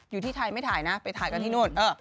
อยู่ที่ไทยไม่ถ่ายนะไปถ่ายกันที่นู่น